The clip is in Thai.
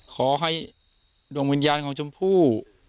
ขอให้ดวงวิญญาณของชมพู่